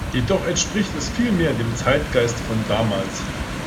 Jedoch entspricht es viel mehr dem Zeitgeist von damals.